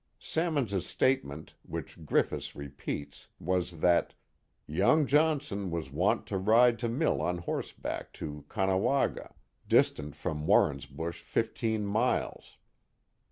Sam mons's statement, which Griffis repeats, was that " young Johnson was wont to ride to mill on horseback to Caughna waga, distant from Warrensbush fifteen miles."